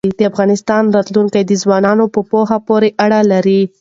د افغانستان راتلونکی د ځوانانو په پوهه پورې اړه لري.